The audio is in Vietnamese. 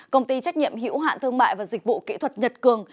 công ty trách nhiệm hữu hạn thương mại và dịch vụ kỹ thuật nhật cường